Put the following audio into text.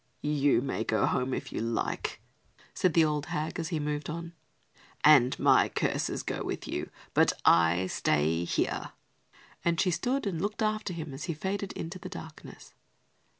"You may go home if you like," said the old hag as he moved on, "and my curses go with you; but I stay here;" and she stood and looked after him as he faded into the darkness.